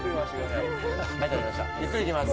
ゆっくりいきます。